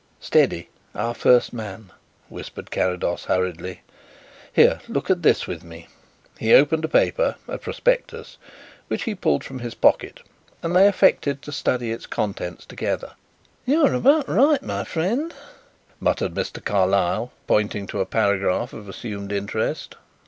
"Steady! our first man," whispered Carrados hurriedly. "Here, look at this with me." He opened a paper a prospectus which he pulled from his pocket, and they affected to study its contents together. "You were about right, my friend," muttered Mr. Carlyle, pointing to a paragraph of assumed interest.